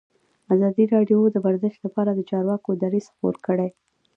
ازادي راډیو د ورزش لپاره د چارواکو دریځ خپور کړی.